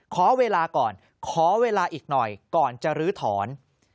ขอเวลาก่อนขอเวลาอีกหน่อยก่อนจะลื้อถอน